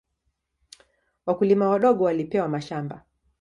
Wakulima wadogo walipewa mashamba.